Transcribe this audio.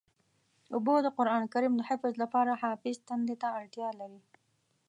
اوبه د قرآن کریم د حفظ لپاره حافظ تندې ته اړتیا لري.